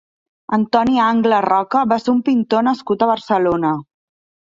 Antoni Angle Roca va ser un pintor nascut a Barcelona.